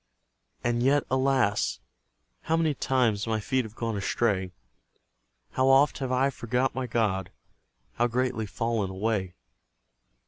And yet, alas! how many times My feet have gone astray! How oft have I forgot my God! How greatly fallen away!